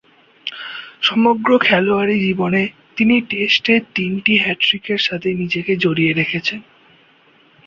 সমগ্র খেলোয়াড়ী জীবনে তিনি টেস্টের তিনটি হ্যাট্রিকের সাথে নিজেকে জড়িয়ে রেখেছেন।